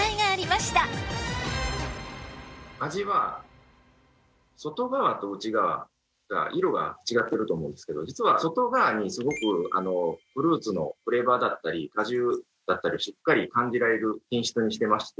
味は外側と内側が色が違ってると思うんですけど実は外側にすごくフルーツのフレーバーだったり果汁だったりしっかり感じられる品質にしてまして。